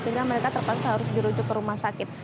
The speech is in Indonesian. sehingga mereka terpaksa harus dirujuk ke rumah sakit